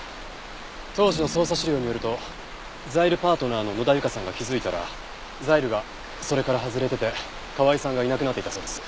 当時の捜査資料によるとザイルパートナーの野田由香さんが気づいたらザイルがそれから外れてて河合さんがいなくなっていたそうです。